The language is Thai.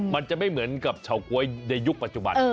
มันจะไม่เหมือนกับเฉาก๊วยในยุคปัจจุบัน